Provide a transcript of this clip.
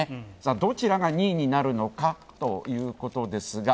どちらが２位になるのかということですが。